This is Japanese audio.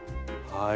はい。